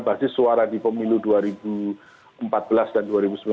basis suara di pemilu dua ribu empat belas dan dua ribu sembilan belas